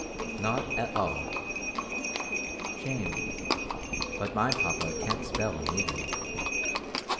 "Not at all!" "Shame! But my papa can't spell, neither."